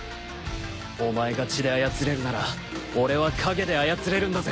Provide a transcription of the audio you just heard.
お前が血で操れるなら俺は影で操れるんだぜ。